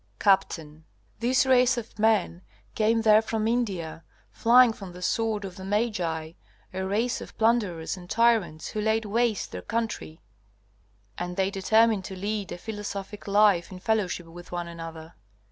Capt. This race of men came there from India, flying from the sword of the Magi, a race of plunderers and tyrants who laid waste their country, and they determined to lead a philosophic life in fellowship with one another.